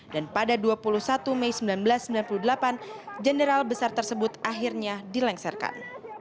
dan pada dua puluh satu mei seribu sembilan ratus sembilan puluh delapan jenderal besar tersebut akhirnya dilengsarkan